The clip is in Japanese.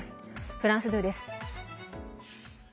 フランス２です。